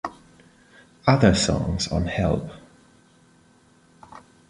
Other songs on Help!